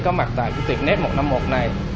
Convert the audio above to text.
có mặt tại tiệm internet một trăm năm mươi một này